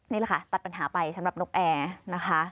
นี่แหละค่ะตัดปัญหาไปสำหรับนกแอร์นะคะ